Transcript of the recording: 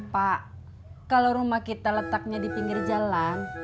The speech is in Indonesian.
pak kalau rumah kita letaknya di pinggir jalan